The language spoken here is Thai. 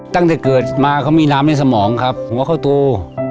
ตั้งแต่เกิดมาเขามีน้ำในสมองครับหัวเขาโต